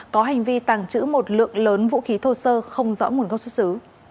có hành vi tàng trữ một lượng lớn vũ khí thô sơ không rõ nguồn gốc xuất xứ